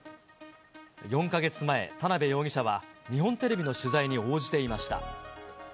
４か月前、田辺容疑者は日本テレビの取材に応じていました。